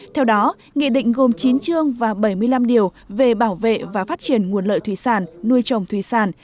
theo đó nghị định gồm chín chương và bảy mươi năm điều về bảo vệ và phát triển nguồn lợi thủy sản nuôi trồng thủy sản